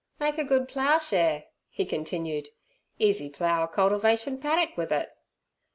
"Make a good plough shere," he continued, "easy plough a cultivation paddock with it!"